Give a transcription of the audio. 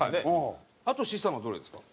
あと資産はどれですか？